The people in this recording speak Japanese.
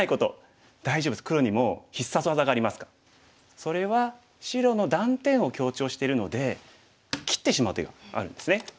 それは白の断点を強調してるので切ってしまう手があるんですね。